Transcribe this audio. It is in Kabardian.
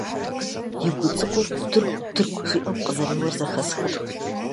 И гу цӀыкӀур «дыргу-дыргу» жиӀэу къызэреуэр зэхэсхырт.